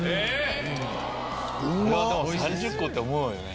これは３０個って思うよね。